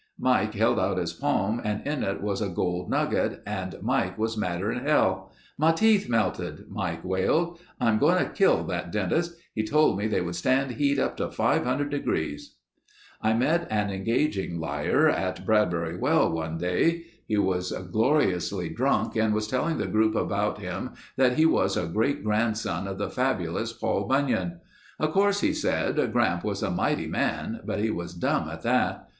Mike held out his palm and in it was a gold nugget and Mike was madder'n hell. 'My teeth melted,' Mike wailed. 'I'm going to kill that dentist. He told me they would stand heat up to 500 degrees.'" I met an engaging liar at Bradbury Well one day. He was gloriously drunk and was telling the group about him that he was a great grand son of the fabulous Paul Bunyan. "Of course," he said, "Gramp was a mighty man, but he was dumb at that.